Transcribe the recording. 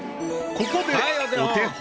ここでお手本。